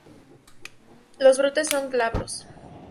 Los brotes son glabros.